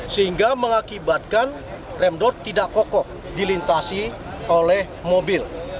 sehingga mengakibatkan remdor tidak kokoh dilintasi oleh mobil